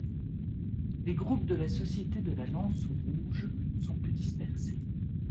Les groupes de la société de la Lance rouge sont plus dispersés.